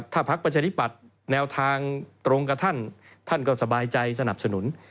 ถ้าพักประชาธิปัตย์แนวทางตรงกับท่านท่านก็สบายใจสนับสนุน